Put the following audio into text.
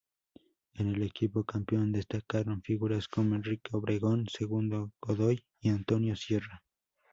En el equipo campeón destacaron figuras como Enrique Obregón, Segundo Godoy y Antonio Sierra.